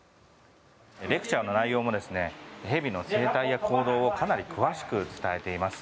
レクチャーの内容も蛇の生態や行動をかなり詳しく伝えています。